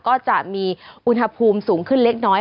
ก็จะมีอุณหภูมิสูงขึ้นเล็กน้อย